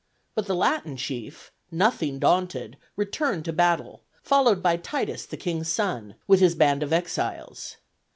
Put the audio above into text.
But the Latin chief, nothing daunted, returned to battle, followed by Titus, the king's son, with his band of exiles.